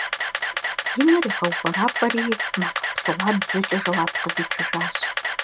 И нэр игъэупӀэрапӀэри, макъ псыгъуабзэкӀэ жэуап къызитыжащ.